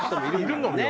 いるのよ